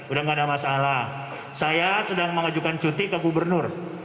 udah gak ada masalah saya sedang mengajukan cuti ke gubernur